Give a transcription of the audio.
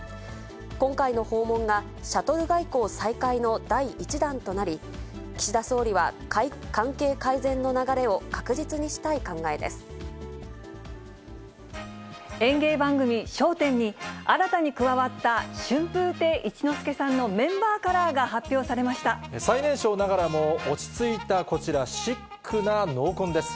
今回の訪問がシャトル外交再開の第１弾となり、岸田総理は関係改演芸番組、笑点に新たに加わった春風亭一之輔さんのメンバーカラーが発表さ最年少ながらも落ち着いたこちら、シックな濃紺です。